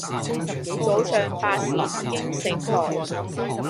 早上八時已經醒來